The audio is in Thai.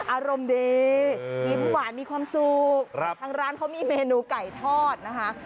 อารมณ์ดียิ้มหวานมีความสุขทางร้านเขามีเมนูไก่ทอดนะคะ